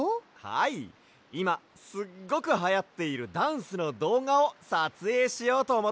はいいますっごくはやっているダンスのどうがをさつえいしようとおもって。